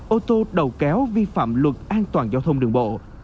ô tô đầu kéo vi phạm luật an toàn giao thông đường bộ